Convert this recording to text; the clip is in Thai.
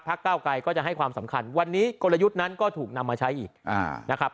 เก้าไกรก็จะให้ความสำคัญวันนี้กลยุทธ์นั้นก็ถูกนำมาใช้อีกนะครับ